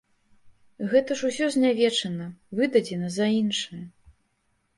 Гэта ж усё знявечана, выдадзена за іншае.